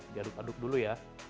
diaduk aduk dulu ya